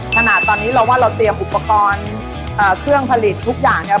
ขนาดนี้เราว่าเราเตรียมอุปกรณ์เครื่องผลิตทุกอย่างเนี่ย